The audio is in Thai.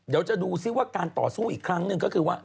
เดี๋ยวจะดูซิว่าการต่อสู้อีกครั้งหนึ่งก็คือว่า